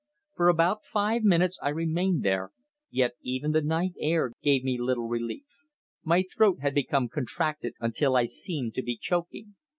For about five minutes I remained there, yet even the night air gave me little relief. My throat had become contracted until I seemed to be choking.